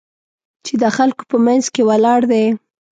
چې د خلکو په منځ کې ولاړ دی.